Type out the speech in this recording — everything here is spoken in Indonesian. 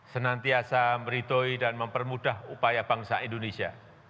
senantiasa meridoi dan mempermudah upaya bangsa indonesia